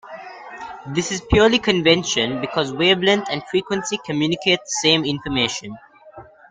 This is purely convention because wavelength and frequency communicate the same information.